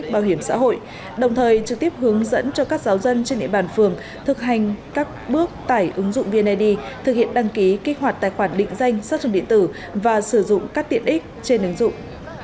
bảo hiểm xã hội đồng thời trực tiếp hướng dẫn cho các giáo dân trên địa bàn phường thực hành các bước tải ứng dụng vned thực hiện đăng ký kích hoạt tài khoản định danh sát dùng điện tử và sử dụng các tiện ích trên ứng dụng